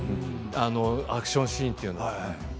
アクションシーンというのは。